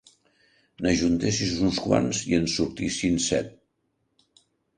N'ajuntessis uns quants i en sortissin set.